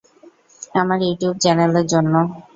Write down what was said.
আমার ইউটিউব চ্যানেলের জন্য।